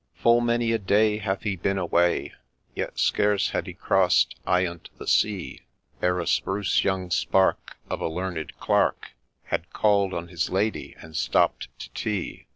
Full many a day hath he been away, Yet scarce had he crossed ayont the sea, Ere a spruce young spark of a Learned Clerk Had called on his Lady, and stopp'd to tea.